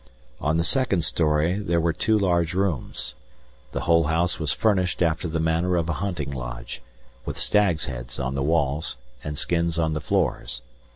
On the second story there were two large rooms. The whole house was furnished after the manner of a hunting lodge, with stags' heads on the walls, and skins on the floors.